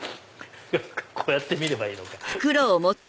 こうやって見ればいいのか。